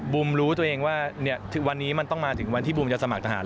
รู้ตัวเองว่าวันนี้มันต้องมาถึงวันที่บูมจะสมัครทหาร